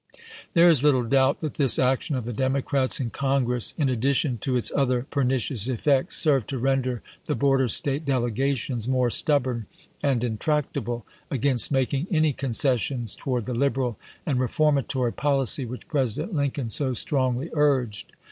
There is little doubt that this action of the Dem ocrats in Congress, in addition to its other perni cious effects, served to render the border State delegations more stubborn and intractable against making any concessions towards the liberal and reformatory policy which President Lincoln so strongly urged.